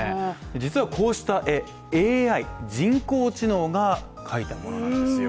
実はこうした絵、ＡＩ＝人工知能が描いたものなんですよ。